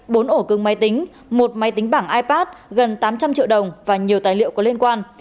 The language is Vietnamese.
bốn ổ cưng máy tính một máy tính bảng ipad gần tám trăm linh triệu đồng và nhiều tài liệu có liên quan